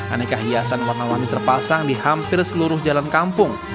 aneka hiasan warna warni terpasang di hampir seluruh jalan kampung